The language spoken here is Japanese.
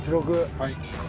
はい。